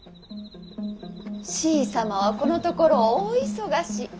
しい様はこのところ大忙し。